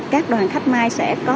các đoàn khách mai sẽ có